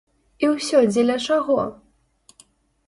І ўсё дзеля чаго?